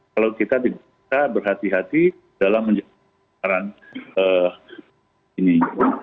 kalau kita berhati hati dalam menjaga kemampuan kita